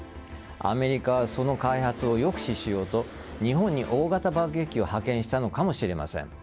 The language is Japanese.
アメリカはその開発を抑止しようと日本に大型爆撃機を派遣したのかもしれません。